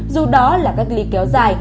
dù đó là các ly kéo dài